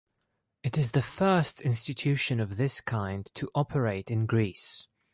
It is the first institution of this kind to operate in Greece.